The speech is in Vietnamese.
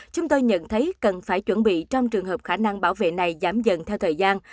chúng tôi nhận thấy cần phải chuẩn bị trong trường hợp khả năng bảo vệ này giảm dần theo thời gian